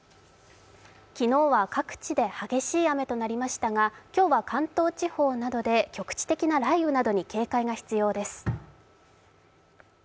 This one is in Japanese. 昨日は各地で激しい雨となりましたが今日は関東地方などで局地的な雷雨などに警戒が必要です。